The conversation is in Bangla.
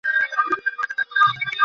আমি এটা দেখে নেব।